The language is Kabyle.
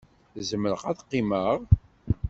Zemreɣ ad qqimeɣ?